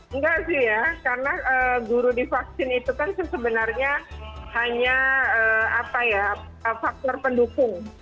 enggak sih ya karena guru di vaksin itu kan sebenarnya hanya faktor pendukung